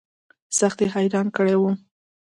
سخت يې حيران کړى وم.